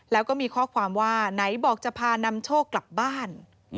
แล้วก็มีข้อความว่าไหนบอกจะพานำโชคกลับบ้าน